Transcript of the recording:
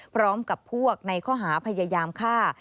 พร้อมกับพวกในข้อหาพยายามฆ่า